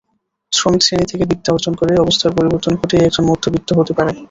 শ্রমিকশ্রেণি থেকে বিদ্যা অর্জন করে অবস্থার পরিবর্তন ঘটিয়ে একজন মধ্যবিত্ত হতে পারে।